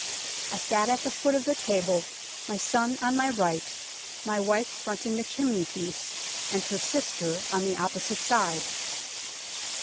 I sat at the foot of the table, my son on my right, my wife fronting the chimney piece, and her sister on the opposite side.